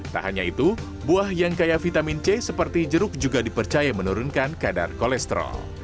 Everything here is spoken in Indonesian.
tak hanya itu buah yang kaya vitamin c seperti jeruk juga dipercaya menurunkan kadar kolesterol